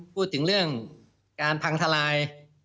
พูดถึงเรื่องการพังทลาย